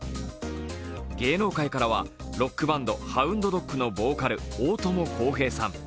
芸能界からはロックバンド、ＨＯＵＮＤＤＯＧのボーカル、大友康平さん。